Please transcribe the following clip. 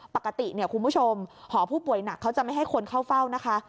ปกติเนี่ยคุณผู้ชมหอผู้ป่วยหนักเขาจะไม่ให้คนเข้าเฝ้านะคะ